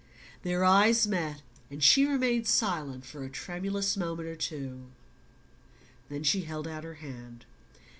'" Their eyes met, and she remained silent for a tremulous moment or two; then she held out her hand.